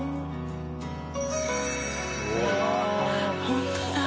ホントだ。